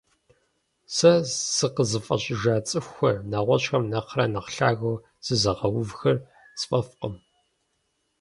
Сэ зыкъызыфӏэщӏыжа цӏыхухэр, нэгъуэщӏхэм нэхърэ нэхъ лъагэу зызыгъэувхэр сфӏэфӏкъым.